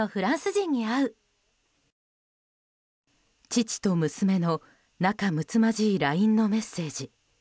父と娘の仲むつまじいＬＩＮＥのメッセージ。